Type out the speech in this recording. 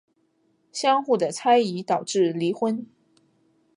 相互的猜疑导致离婚。